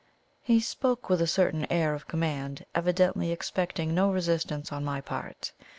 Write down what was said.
He spoke with a certain air of command, evidently expecting no resistance on my part.